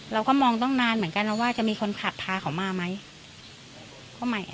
เราก็มองต้องนานเหมือนกันว่าจะมีคนพาเขามาไหมเขาใหม่อ่ะ